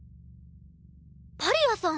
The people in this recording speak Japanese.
パリアさん！